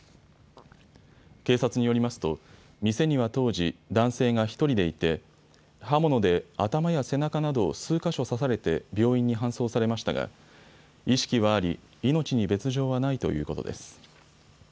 警察によりますと店には当時、男性が１人でいて刃物で頭や背中などを数か所刺されて病院に搬送されましたが意識はあり命に別状はないということです。